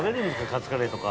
カツカレーとか。